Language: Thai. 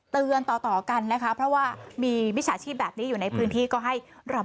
เตือนต่อต่อกันนะคะเพราะว่ามีวิชาชิพแบบนี้อยู่ในพื้นที่